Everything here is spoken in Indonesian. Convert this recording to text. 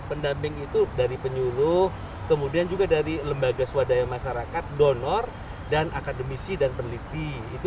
pendamping itu dari penyuluh kemudian juga dari lembaga swadaya masyarakat donor dan akademisi dan peneliti itu